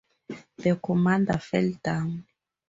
The commander fell down.